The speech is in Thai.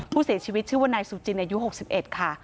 ผู้เสียชีวิตชื่อว่านายสุจินอายุ๖๑ค่ะ